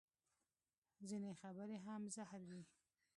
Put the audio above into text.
ځینې خبرې هم زهر وي